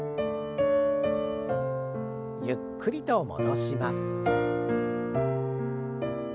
ゆっくりと戻します。